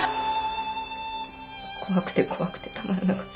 怖くて怖くてたまらなかった。